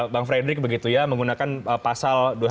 bang fredrik begitu ya menggunakan pasal